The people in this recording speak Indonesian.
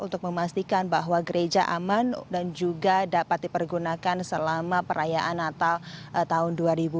untuk memastikan bahwa gereja aman dan juga dapat dipergunakan selama perayaan natal tahun dua ribu dua puluh